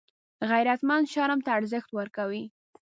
غیرتمند شرم ته ارزښت ورکوي